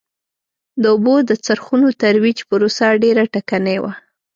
د اوبو د څرخونو ترویج پروسه ډېره ټکنۍ وه.